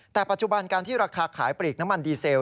แต่ปัจจุบันการที่ราคาขายปลีกน้ำมันดีเซล